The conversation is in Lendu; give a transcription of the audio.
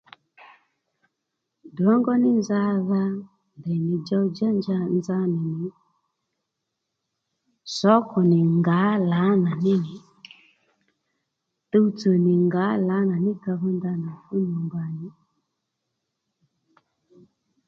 Drǒngó ní nzadha ndèynì djow-djá nja nza nì sǒkò nì ngǎ lǎnà ní nì tuwtsò nì ngǎ lǎnà ní nì ka dho ndanà fú nyû mbà